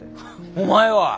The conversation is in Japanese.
お前は？